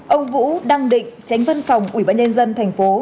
ông vũ đăng định tránh văn phòng ủy ban nhân dân thành phố